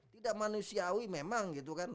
tidak manusiawi memang gitu kan